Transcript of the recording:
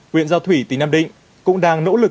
huyện giao thủy tỉnh nam định cũng đang nỗ lực